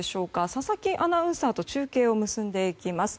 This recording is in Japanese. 佐々木アナウンサーと中継を結んでいきます。